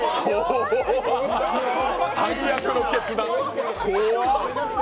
最悪の決断、怖っ。